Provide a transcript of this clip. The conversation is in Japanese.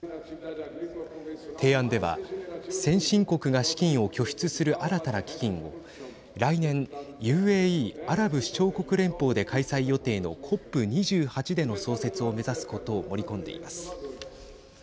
提案では先進国が資金を拠出する新たな基金を来年、ＵＡＥ＝アラブ首長国連邦で開催予定のＣＯＰ２８での創設を目指すこと盛り込んでいます。